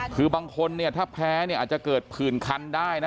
คือบางคนเนี่ยถ้าแพ้เนี่ยอาจจะเกิดผื่นคันได้นะ